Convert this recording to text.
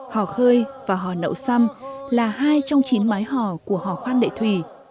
hò khơi và hò nậu xăm là hai trong chín mái hò của hò khoan lệ thủy